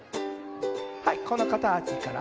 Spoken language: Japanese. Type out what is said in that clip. はいこのかたちから。